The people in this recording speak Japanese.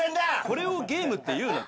これをゲームって言うな。